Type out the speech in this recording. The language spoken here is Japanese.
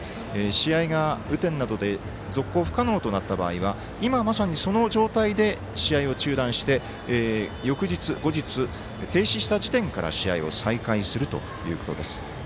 試合が雨天などで続行不可能となった場合は今まさにその状態で試合を中断して翌日、後日、中断した時点から試合を再開するというものです。